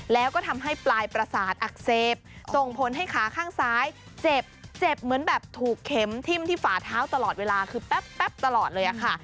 แล้วก็ทำให้ปลายประสาทอักเสบส่งผลให้ขาข้างซ้ายเจ็บเจ็บเหมือนแบบถูกเข็มทิ้มที่ฝาเท้าตลอดเวลาคือแป๊บตลอดเลยค่ะ